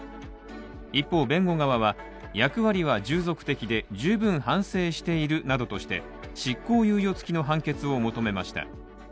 一方、弁護側は、役割は従属的で十分反省しているなどとして、執行猶予付きの判決を求めました。